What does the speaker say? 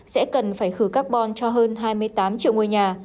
sẽ cần phải khử carbon cho hơn hai mươi tám triệu ngôi nhà